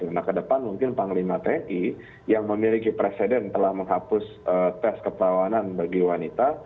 nah ke depan mungkin panglima tni yang memiliki presiden telah menghapus tes kepelawanan bagi wanita